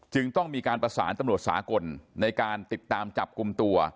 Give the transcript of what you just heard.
ต้องมีการประสานตำรวจสากลในการติดตามจับกลุ่มตัว